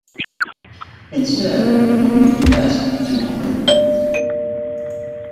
Instead, he moved west to Hollywood.